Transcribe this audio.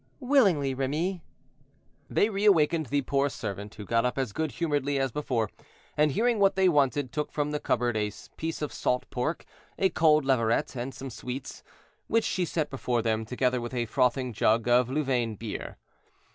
"Willingly, Remy." They reawakened the poor servant, who got up as good humoredly as before, and hearing what they wanted, took from the cupboard a piece of salt pork, a cold leveret, and some sweets, which she set before them, together with a frothing jug of Louvain beer.